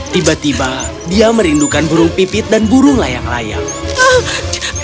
tiba tiba dia merindukan burung pipit dan burung layang layang